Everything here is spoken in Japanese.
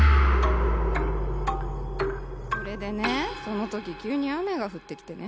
それでねその時急に雨が降ってきてね。